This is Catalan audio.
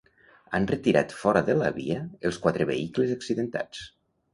Han retirat fora de la via els quatre vehicles accidentats.